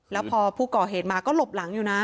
แล้วพอผู้ก่อเหตุมาก็หลบหลังอยู่นะ